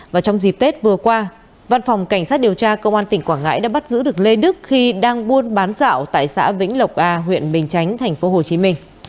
và trong dịp tết vừa qua văn phòng cảnh sát điều tra công an tỉnh quảng ngãi đã bắt giữ được lê đức khi đang buôn bán dạo tại xã vĩnh lộc a huyện bình chánh tp hcm